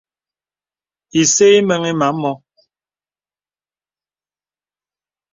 Ìsə̄ ìməŋì mə à mɔ.